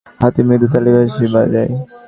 হাতে মৃদু তালি বাজায়।